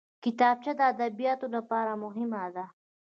کتابچه د ادبیاتو لپاره مهمه ده